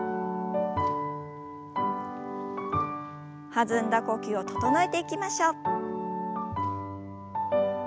弾んだ呼吸を整えていきましょう。